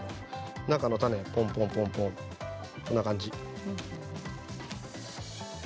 中の種ポンポン、こんな感じ。